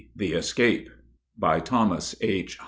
THE ESCAPE BY THOMAS H.